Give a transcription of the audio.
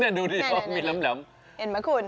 นี่ดูดิมีแหลมเห็นไหมคุณ